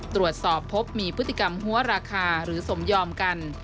ตรวจสอบพบมีพฤติกรรมหัวราคาหรือสมยอมกัน